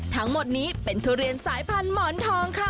ทั้งหมดนี้เป็นทุเรียนสายพันธุ์หมอนทองค่ะ